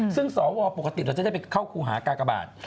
ซึ่งสวปกติเราจะได้ไปเข้าครูหากากบาท